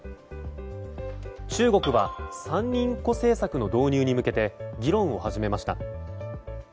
中国は三人っ子政策の導入に向けて議論を始めました。